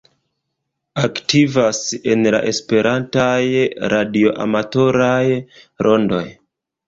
Aktivas en la esperantaj radioamatoraj rondoj.